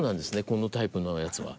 このタイプのやつは。